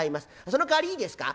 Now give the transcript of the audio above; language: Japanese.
そのかわりいいですか？